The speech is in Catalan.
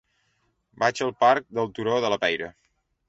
Vaig al parc del Turó de la Peira.